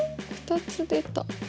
２つ出た。